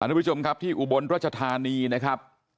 ทุกผู้ชมครับที่อุบลรัชธานีนะครับ